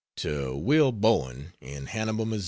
To Will Bowen, in Hannibal, Mo.